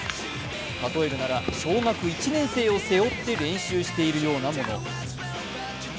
例えるなら、小学１年生を背負って練習しているようなもの。